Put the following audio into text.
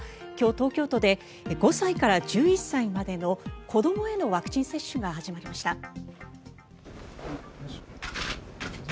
今日、東京都で５歳から１１歳までの子どもへのワクチン接種が始まりました。